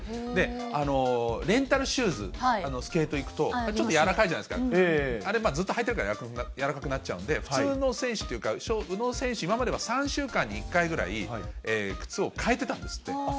で、レンタルシューズ、スケート行くと、ちょっと軟らかいじゃないですか、あれ、ずっと履いてるから軟らかくなっちゃうんで、普通の選手というか、宇野選手、今までは３週間に１回新しい革で？